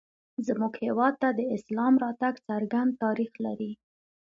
زموږ هېواد ته د اسلام راتګ څرګند تاریخ لري